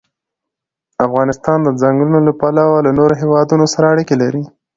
افغانستان د ځنګلونه له پلوه له نورو هېوادونو سره اړیکې لري.